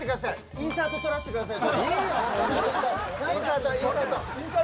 インサート撮らせてください。